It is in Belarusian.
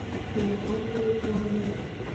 Я так за іх рада.